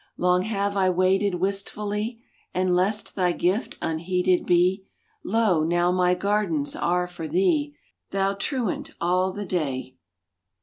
Long have I waited wistfully; And lest thy gift unheeded be, Lo, now my gardens are for thee, Thou truant all the day!